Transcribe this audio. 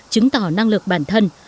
chứng tỏ năng lực bản thân